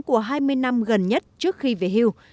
của hai mươi năm gần nhất trước khi về hưu